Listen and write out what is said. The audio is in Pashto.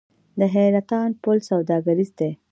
د حیرتان پل سوداګریز دی